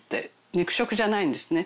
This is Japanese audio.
肉食じゃないんですね。